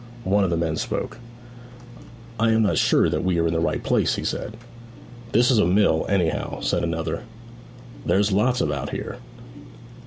One of the men spoke. 'I am not sure that we are in the right place,' he said. 'This is a mill, anyhow,' said another. 'There's lots about here.'